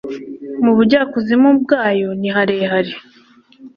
Mu bujyakuzimu bwayo ni harehare